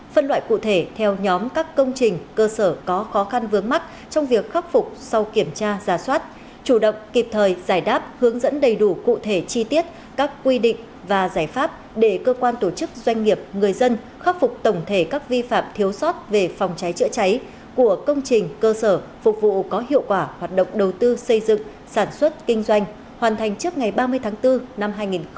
phân loại cụ thể theo nhóm các công trình cơ sở có khó khăn vướng mắt trong việc khắc phục sau kiểm tra ra soát chủ động kịp thời giải đáp hướng dẫn đầy đủ cụ thể chi tiết các quy định và giải pháp để cơ quan tổ chức doanh nghiệp người dân khắc phục tổng thể các vi phạm thiếu sót về phòng cháy chữa cháy của công trình cơ sở phục vụ có hiệu quả hoạt động đầu tư xây dựng sản xuất kinh doanh hoàn thành trước ngày ba mươi tháng bốn năm hai nghìn hai mươi ba